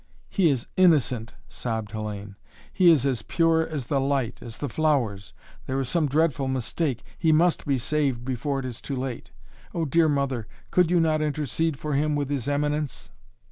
"He is innocent," sobbed Hellayne. "He is as pure as the light, as the flowers. There is some dreadful mistake. He must be saved before it is too late! Oh dear mother could you not intercede for him with His Eminence?"